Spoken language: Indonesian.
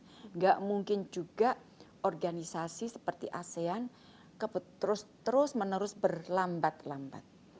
tidak mungkin juga organisasi seperti asean terus menerus berlambat lambat